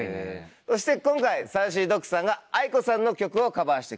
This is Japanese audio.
そして今回ＳａｕｃｙＤｏｇさんがａｉｋｏさんの曲をカバーしてくれます。